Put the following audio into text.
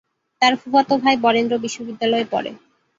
তার ফুফাতো ভাই বরেন্দ্র বিশ্ববিদ্যালয়ে পড়ে।